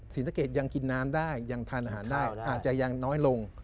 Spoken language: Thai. ศรีสะเกดยังกินน้ำได้ยังทานอาหารได้อาจจะยังน้อยลง